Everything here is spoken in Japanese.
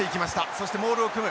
そしてモールを組む。